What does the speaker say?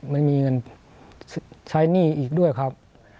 ไม่มีเงินใช้หนี้อีกด้วยครับ